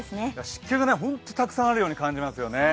湿気が本当にたくさんあるように感じますよね。